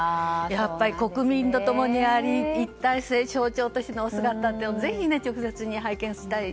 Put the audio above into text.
やっぱり国民と共にあり一体性、象徴としてのお姿って、ぜひ直接に拝見したい。